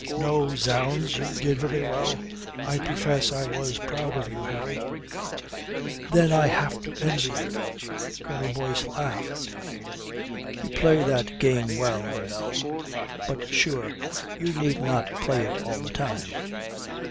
"No, zounds, you did very well. I profess I was proud of you, Harry." "Then I have to envy you." Colonel Boyce laughed. "You play that game well, you know. But sure, you need not play it all the time.